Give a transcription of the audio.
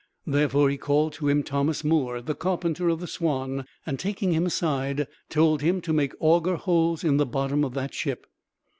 Therefore he called to him Thomas Moore, the carpenter of the Swanne; and, taking him aside, told him to make auger holes in the bottom of that ship.